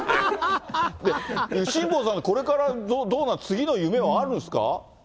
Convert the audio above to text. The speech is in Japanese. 辛坊さん、これからどうなの、次の夢はあるんですか？